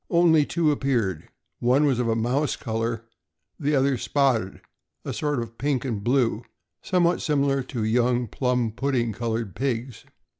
Only two appeared; one was of a mouse color, the other spotted, a sort of pink aud blue, somewhat similar to young plum pudding colored pigs.